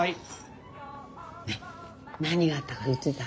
何があったか言ってた？